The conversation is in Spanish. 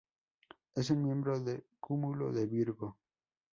Es un miembro del Cúmulo de Virgo.